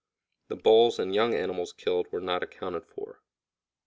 The bulls and young animals killed were not accounted for.